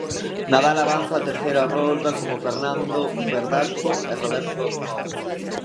Nadal avanza a terceira rolda como Fernando Verdasco e Roberto Bautista.